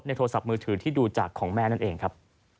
โทรศัพท์มือถือที่ดูจากของแม่นั่นเองครับ